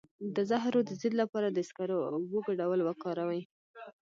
د زهرو د ضد لپاره د سکرو او اوبو ګډول وکاروئ